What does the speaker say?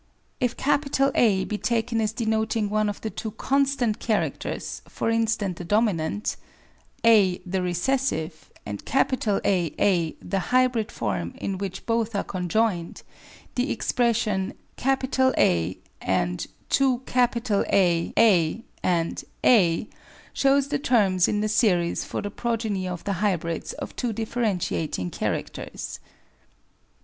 326 APPENDIX If A be taken as denoting one of the two constant characters, for instance the dominant, a, the recessive, and Aa the hybrid form in which both are conjoined, the expression A + 1Aa + a shows the terms in the series for the progeny of the hybrids of two differentiating characters.